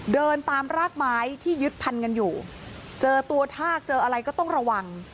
เดินตามรากไม้ที่ยึดพันกันอยู่เจอตัวทากเจออะไรก็ต้องระวัง